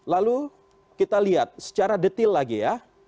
lalu kita lihat secara detail lagi ya